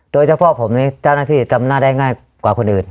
โดยเฉพาะผมนี่เจ้าหน้าที่จำหน้าได้ง่ายกว่าคนอื่น